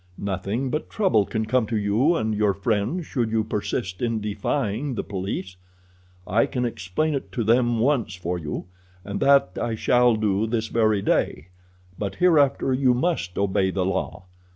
Nothing but trouble can come to you and your friends should you persist in defying the police. I can explain it to them once for you, and that I shall do this very day, but hereafter you must obey the law.